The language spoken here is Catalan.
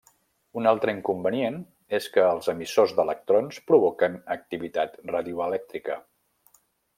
Un altre inconvenient és que els emissors d'electrons provoquen activitat radioelèctrica.